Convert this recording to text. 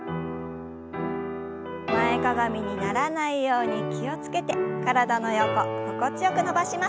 前かがみにならないように気を付けて体の横心地よく伸ばします。